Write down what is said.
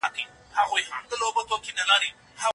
د داستان زمانه د هغې په منځپانګه اغېز لري.